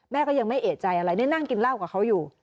แม่ก็ยังไม่เอกใจอะไรนี่นั่งกินเหล้ากับเขาอยู่